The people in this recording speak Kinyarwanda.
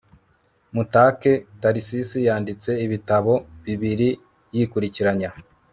mutake tarisisi yanditse ibitabo bibiri yikurikiranya